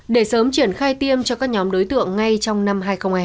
để sớm triển khai tiêm cho các nhóm đối tượng ngay trong năm hai nghìn hai mươi hai